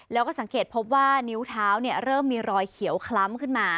แล้วก็สังเกตพบว่านิ้วเท้าเริ่มมีรอยเขียวคล้ำขึ้นมา